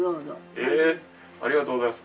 えっありがとうございます。